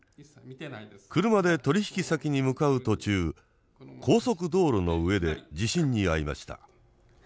車で取引先に向かう途中高速道路の上で地震に遭いました。